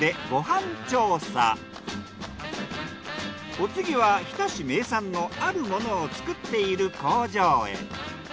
お次は日田市名産のあるものを作っている工場へ。